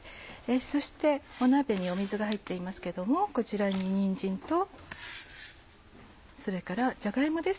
そして鍋に水が入っていますけどもこちらににんじんとそれからじゃが芋です。